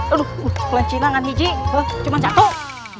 aduh kelencinan amin cuma jatuh